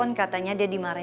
nanti aku ke rumah terus ya